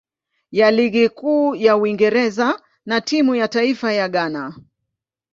ya Ligi Kuu ya Uingereza na timu ya taifa ya Ghana.